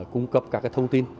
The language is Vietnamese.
cung cập các thông tin